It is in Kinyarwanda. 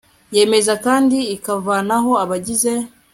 yemeza kandi ikavanaho abagize